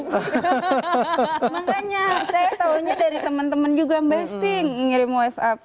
makanya saya tahunya dari teman teman juga mbak esti yang ngirim whatsapp